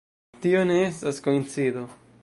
Tio ne estas koincido.